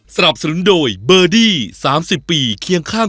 สวัสดีค่ะ